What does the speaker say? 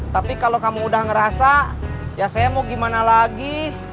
tapi kalau kamu udah ngerasa ya saya mau gimana lagi